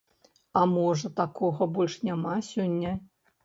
А можа, такога больш няма сёння?